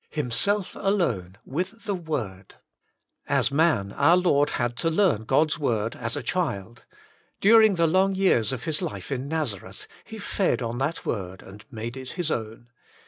4. Himself Alone, with the Word. As man our Lord had to learn God's Word as a child; during the long years of His life in ISTazareth, He fed on that Word and made it His own.